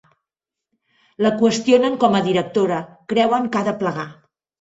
La qüestionen com a directora: creuen que ha de plegar.